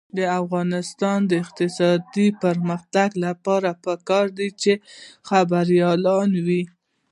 د افغانستان د اقتصادي پرمختګ لپاره پکار ده چې خبریالان وي.